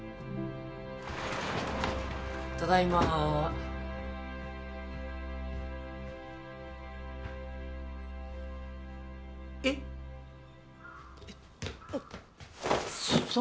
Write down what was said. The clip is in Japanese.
ただいまえっえっ空豆